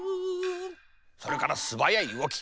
それからすばやいうごき。